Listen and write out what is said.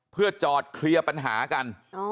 เพื่อจอดเคลียร์ปัญหากัน